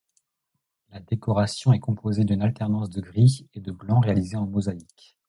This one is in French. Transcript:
La décoration est composée d'une alternance de gris et de blanc réalisée en mosaïque.